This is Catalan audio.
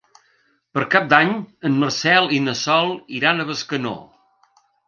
Per Cap d'Any en Marcel i na Sol iran a Bescanó.